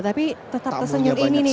tapi tetap tersenyum ini nih luar biasa